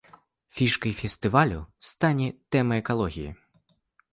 Фішкай фестывалю стане тэма экалогіі.